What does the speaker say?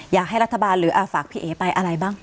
อยากให้รัฐบาลหรือฝากพี่เอ๋ไปอะไรบ้าง